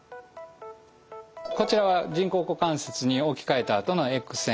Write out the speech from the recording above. こちらは人工股関節に置き換えたあとのＸ線画像です。